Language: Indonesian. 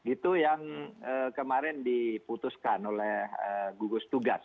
itu yang kemarin diputuskan oleh gugus tugas